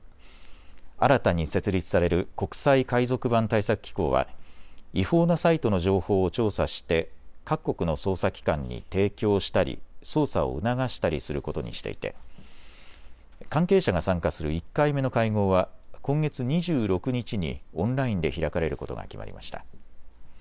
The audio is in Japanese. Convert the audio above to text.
新たに設立される国際海賊版対策機構は違法なサイトの情報を調査して各国の捜査機関に提供したり、捜査を促したりすることにしていて関係者が参加する１回目の会合は今月２６日にオンラインで開かれることが決まりました。